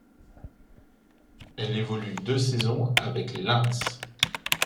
Elle évolue deux saisons avec les Lynx.